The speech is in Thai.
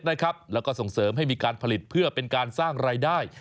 แล้วก็ส่งเสริมให้มีการผลิตเพื่อเป็นการสร้างรายได้